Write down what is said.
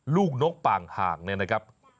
นกป่างห่างเนี่ยนะครับ